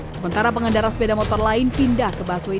sementara pengendara sepeda motor lain pindah ke busway